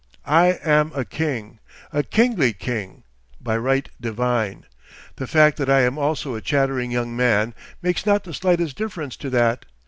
I am a king, a kingly king, by right divine. The fact that I am also a chattering young man makes not the slightest difference to that.